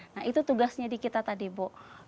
nah itu tugasnya di kita tadi bu